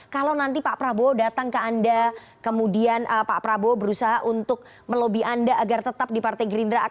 kalau nanti pak prabowo datang ke anda kemudian pak prabowo berusaha untuk melobi anda agar tetap di partai gerindra